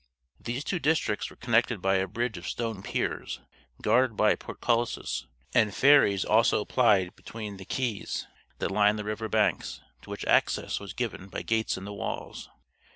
These two districts were connected by a bridge of stone piers, guarded by portcullises, and ferries also plied between the quays that lined the river banks, to which access was given by gates in the walls.